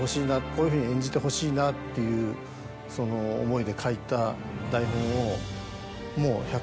こういうふうに演じてほしいなっていう思いで書いた台本をもう。